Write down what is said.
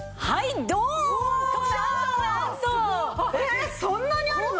えっそんなにあるの！？